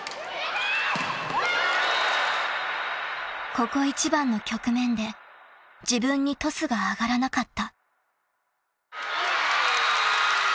［ここ一番の局面で自分にトスが上がらなかった］